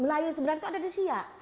melayu yang sebenarnya itu ada di syak